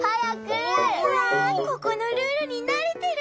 うわここのルールになれてる。